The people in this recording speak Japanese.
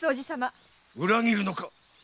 裏切るのか？